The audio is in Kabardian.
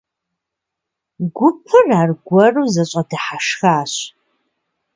Гупыр аргуэру зэщӀэдыхьэшхащ.